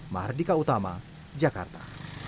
mardika utama jakarta